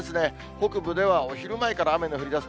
北部ではお昼前から雨の降りだす